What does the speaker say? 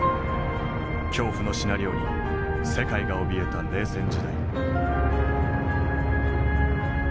恐怖のシナリオに世界がおびえた冷戦時代。